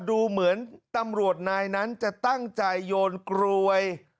ดูเหมือนตำรวจนายนั้นจะตั้งใจโยนกรวย